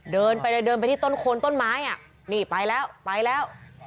เดินไปเลยเดินไปที่ต้นโคนต้นไม้อ่ะนี่ไปแล้วไปแล้ว